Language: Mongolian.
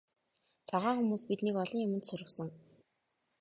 Цагаан хүмүүс биднийг олон юманд сургасан.